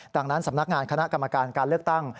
ดังนั้นสำนักงานคณะกรรมการการเลือกตั้ง